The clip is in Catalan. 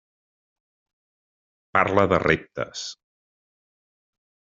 Parla de reptes.